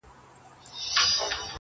o يو په ست ښه ايسي، بل په ننگ٫